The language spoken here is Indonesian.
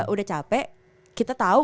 udah capek kita tau